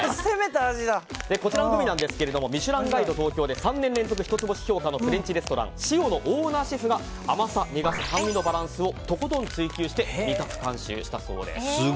こちらのグミですが「ミシュランガイド東京」で３年連続１つ星評価のレストランｓｉｏのオーナーシェフが甘さ、苦さ、酸味のバランスをとことん追求し味覚監修したそうです。